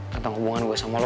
tentang hubungan gue sama lo